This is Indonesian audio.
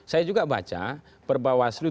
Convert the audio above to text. saya juga baca perbawaslu